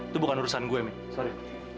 lo bukan urusan gue mik sorry